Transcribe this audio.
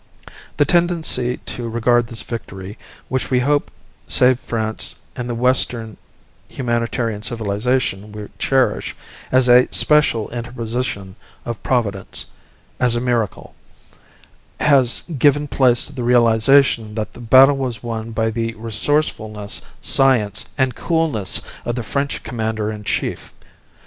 The tendency to regard this victory, which we hope saved France and the Western humanitarian civilization we cherish, as a special interposition of Providence, as a miracle, has given place to the realization that the battle was won by the resourcefulness, science, and coolness of the French commander in chief.